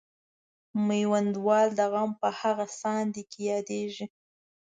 میوندوال د غم په هغه ساندې کې یادیږي.